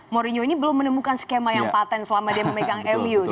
mourinho ini belum menemukan skema yang patent selama dia memegang mu